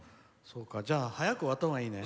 じゃあ早く終わったほうがいいね。